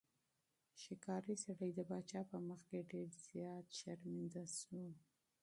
ښکاري سړی د پاچا په مخ کې ډېر زیات شرمنده شو.